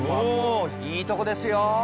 いいトコですよ。